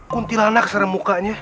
kuntilanak serem mukanya